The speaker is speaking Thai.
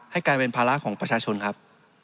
กลายเป็นภาระของประชาชนครับ